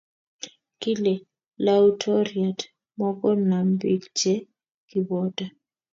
kile lautoriat mokonam biik che kiboto.